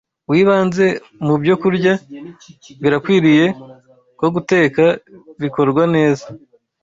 w’ibanze mu byokurya, birakwiriye ko guteka bikorwa neza